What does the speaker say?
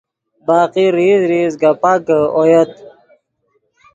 باقی ریز ریز گپاکے اویت